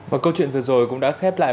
và câu chuyện vừa rồi cũng đã khép lại